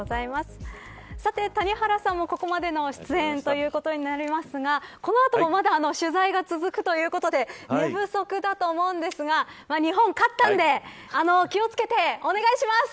谷原さんもここまでの出演ということになりますがこのあともまだ取材が続くということで寝不足だと思いますが日本、勝ったんで気を付けてお願いします。